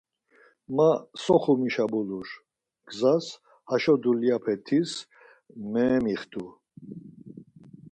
Ma Soxumişa bulur, gzas haşo dulyape tis meemixtu.